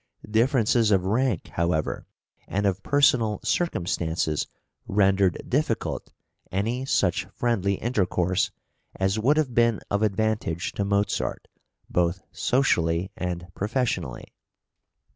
Differences of rank, however, and of personal circumstances rendered difficult any such friendly intercourse as would have been of advantage to Mozart both socially and professionally.